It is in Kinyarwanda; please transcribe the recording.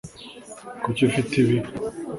kuki ufite ibi